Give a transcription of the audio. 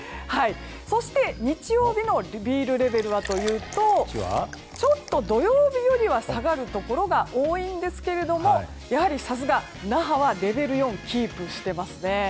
そして、日曜日のビールレベルはちょっと土曜日よりは下がるところが多いんですがやはりさすが、那覇はレベル４をキープしています。